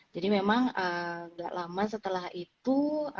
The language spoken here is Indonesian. jadi memang nggak lama setelah itu